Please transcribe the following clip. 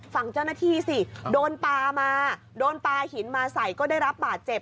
ฝั่งเจ้าหน้าที่สิโดนปลามาโดนปลาหินมาใส่ก็ได้รับบาดเจ็บ